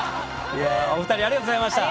お二人ありがとうございました。